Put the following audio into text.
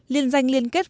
liên danh liên kết